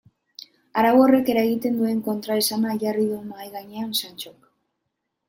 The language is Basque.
Arau horrek eragiten duen kontraesana jarri du mahai gainean Santxok.